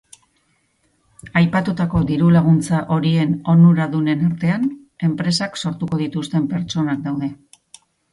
Aipatutako diru-laguntza horien onuradunen artean, enpresak sortuko dituzten pertsonak daude.